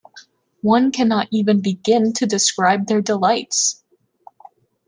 One cannot even begin to describe their delights.